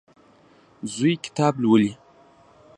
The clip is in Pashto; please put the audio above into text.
زوی کتاب لولي.